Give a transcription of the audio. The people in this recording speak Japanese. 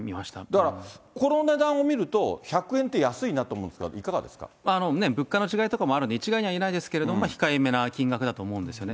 だからこの値段を見ると、１００円って安いなと思うんですが、物価の違いとかもあるので一概には言えないんですが、控えめの金額だと思うんですよね。